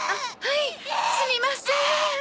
はいすみません。